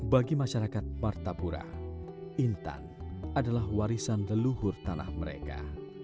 bagi masyarakat martapura intan adalah warisan leluhur tanah mereka